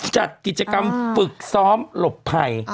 จัดกิจกรรมฝึกซ้อมหลบภัย